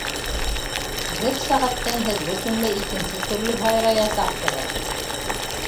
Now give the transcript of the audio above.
Бер сәғәттән һеҙ бөтөнләй икенсе төрлө һайраясаҡһығыҙ.